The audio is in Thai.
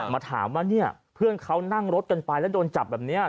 มาถามว่าเนี่ยเพื่อนเขานั่งรถกันไปแล้วโดนจับแบบนี้